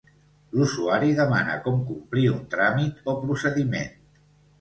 L'usuari demana com complir un tràmit o procediment.